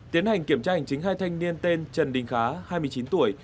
tiến hành kiểm tra hành chính hai thanh niên tên trần đình khá hai mươi chín tuổi